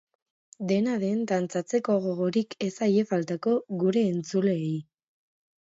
Dena den, dantzatzeko gogorik ez zaie faltako gure entzuleei.